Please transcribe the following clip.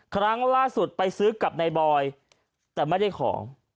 ครั้งล่าสุดไปซื้อกับนายบอยแต่ไม่ได้ของ